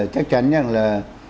chắc chắn rằng là